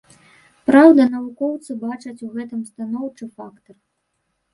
Праўда, навукоўцы бачаць у гэтым станоўчы фактар.